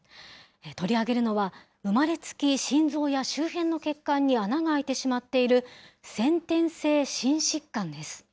取り上げるのは、生まれつき心臓や周辺の血管に穴が開いてしまっている先天性心疾患です。